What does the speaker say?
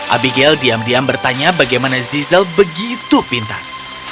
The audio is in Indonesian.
abigail diam diam bertanya bagaimana zizal begitu pintar